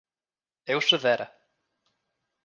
Eu cedera;